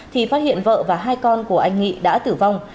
thì phát hiện vợ và hai con của anh nghị đã tử vong